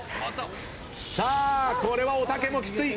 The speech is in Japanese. さあこれはおたけもきつい。